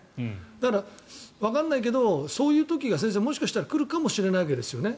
だから、わからないけどそういう時が先生、もしかしたら来るかもしれないわけですよね。